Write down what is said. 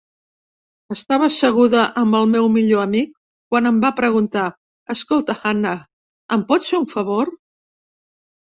Estava asseguda amb el meu millor amic quan em va preguntar: "Escolta, Hannah, em pots fer un favor?".